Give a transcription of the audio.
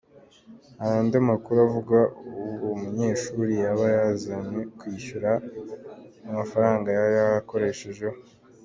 Hari andi makuru avuga ko uwo munyeshuri yaba yamaze kwishyura amafaranga yari yarakoreshejeho.